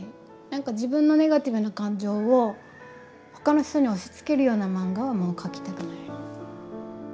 なんか自分のネガティブな感情を他の人に押しつけるような漫画はもう描きたくない。